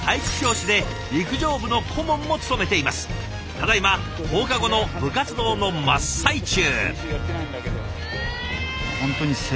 ただいま放課後の部活動の真っ最中。